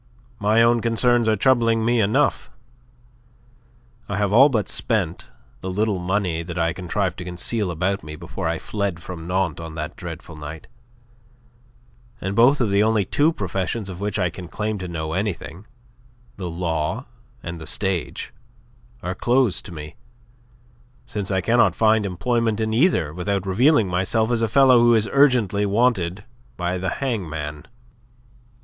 My own concerns are troubling me enough. I have all but spent the little money that I contrived to conceal about me before I fled from Nantes on that dreadful night; and both of the only two professions of which I can claim to know anything the law and the stage are closed to me, since I cannot find employment in either without revealing myself as a fellow who is urgently wanted by the hangman.